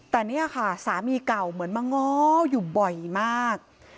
แต่เนี่ยค่ะสามีเก่าเหมือนมาง้ออยู่บ่อยมาก